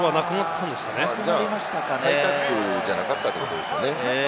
ハイタックルじゃなかったってことですね。